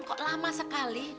kok lama sekali